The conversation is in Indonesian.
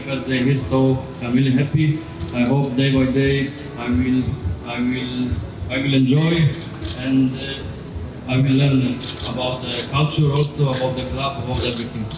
saya harap hari demi hari saya akan menikmati dan saya akan belajar tentang kultur juga tentang klub tentang segalanya